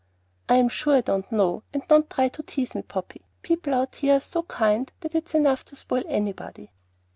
"I'm sure I don't know, and don't try to tease me, Poppy. People out here are so kind that it's enough to spoil anybody."